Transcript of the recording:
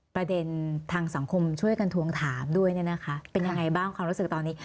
ประเด็นทางสังคมช่วยกันทวงถามด้วยเนี่ยนะคะเป็นยังไงบ้างความรู้สึกตอนนี้